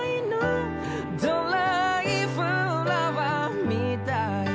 「ドライフラワーみたい」